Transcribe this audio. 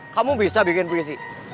kamu bisa bikin puisi